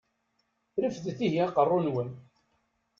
Refdet ihi aqeṛṛu-nwen!